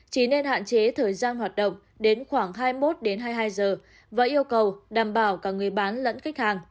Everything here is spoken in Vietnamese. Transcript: chỉ nên hạn chế thời gian hoạt động đến khoảng hai mươi một hai mươi hai giờ và yêu cầu đảm bảo cả người bán lẫn khách hàng